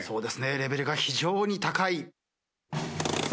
レベルが非常に高い。